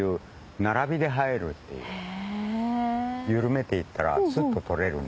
緩めていったらスッと採れる。